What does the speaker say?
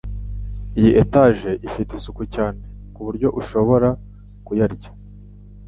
Iyi etage ifite isuku cyane kuburyo ushobora kuyarya.